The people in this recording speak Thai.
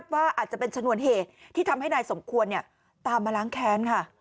ว่าอาจจะเป็นชนวนเหตุที่ทำให้นายสมควรตามมาล้างแค้นค่ะ